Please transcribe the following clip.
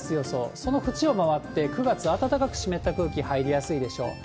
その縁を回って、９月、暖かく湿った空気入りやすいでしょう。